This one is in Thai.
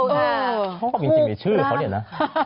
ช่องเขาก็เป็นจริงชื่อเขาเนี่ยนะ